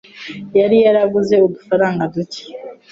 yari yaraguze udufaranga duke